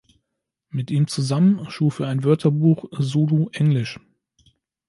Mit ihm zusammen schuf er ein Wörterbuch Zulu-Englisch.